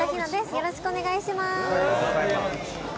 よろしくお願いします。